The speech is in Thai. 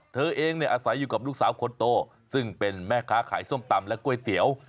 เธอเองอาศัยอยู่กับลูกสาวคนโตซึ่งเป็นแม่ค้าขายส้มตำและก๋วยเตี๋ยว